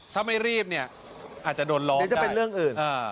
ถ้าไม่รีบเนี่ยอาจจะโดนร้องเดี๋ยวจะเป็นเรื่องอื่น